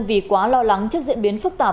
vì quá lo lắng trước diễn biến phức tạp